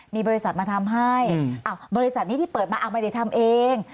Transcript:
มีบริษัทมาทำให้บริษัทนี้ที่เปิดมาไม่ได้ทำเอง